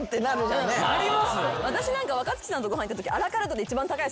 私なんか若槻さんとご飯行ったとき。